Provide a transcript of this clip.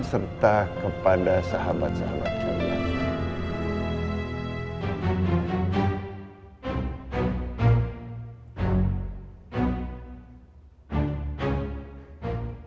serta kepada sahabat sahabat saya